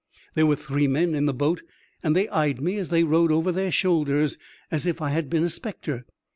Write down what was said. There were three men in the boat and they eyed me as they rowed over their shoulders as if I had been a spectre.